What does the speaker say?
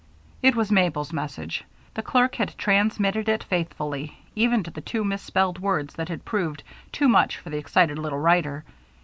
It was Mabel's message; the clerk had transmitted it faithfully, even to the two misspelled words that had proved too much for the excited little writer.